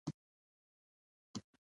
د غرونو لمنې شنه وې.